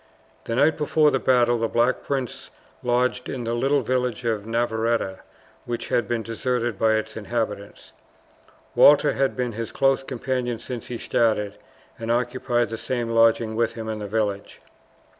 The night before the battle the Black Prince lodged in the little village of Navarretta, which had been deserted by its inhabitants. Walter had been his close companion since he started, and occupied the same lodging with him in the village.